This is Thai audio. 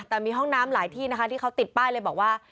แต่มีห้องน้ำหลายที่นะคะที่เขาติดป้ายเลยบอกว่า